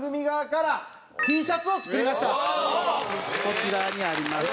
こちらにあります。